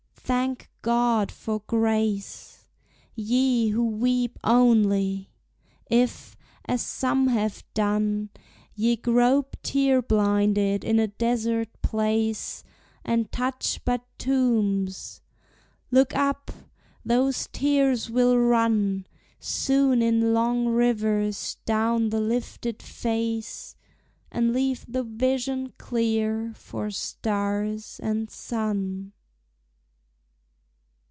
Thank God for grace, Ye who weep only! If, as some have done, Ye grope tear blinded in a desert place, And touch but tombs, look up! Those tears will run Soon in long rivers down the lifted face, And leave the vision clear for stars and sun.